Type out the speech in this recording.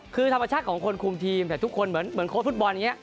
คือธรรมชาติของคนคุมทีมแต่ทุกคนเหมือนโค้ชฟุตบอลอย่างนี้